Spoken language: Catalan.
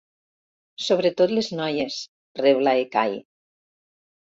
Sobretot les noies —rebla Ekahi.